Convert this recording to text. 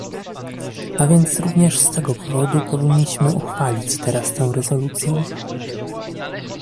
A więc również z tego powodu powinniśmy uchwalić teraz tę rezolucję